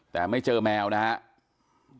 แต่ไม่เจอแมวนะครับ